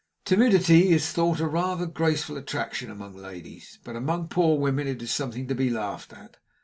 Timidity is thought rather a graceful attraction among ladies, but among poor women it is something to be laughed at.